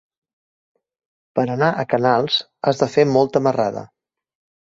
Per anar a Canals has de fer molta marrada.